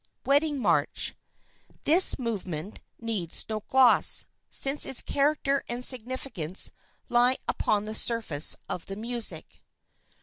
WEDDING MARCH This movement needs no gloss, since its character and significance lie upon the surface of the music.